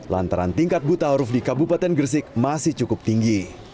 lantaran tingkat buta huruf di kabupaten gresik masih cukup tinggi